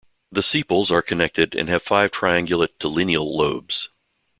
The sepals are connected and have five triangulate to lineal lobes.